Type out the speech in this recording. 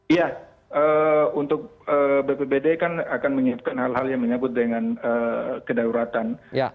iya untuk bpbd kan akan menyiapkan hal hal yang menyebut dengan kedaulatan